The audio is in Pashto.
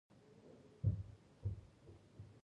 زړه ده غوښی دی